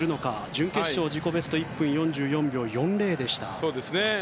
準決勝、自己ベストが１分４４秒４０でした。